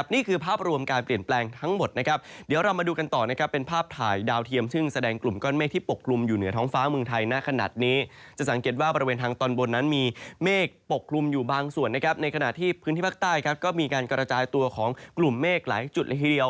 ในขณะที่พื้นที่ปากใต้ก็มีการกระจายตัวของกลุ่มเมฆหลายจุดละทีเดียว